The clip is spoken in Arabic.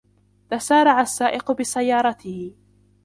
تسارع السائق بسيارته.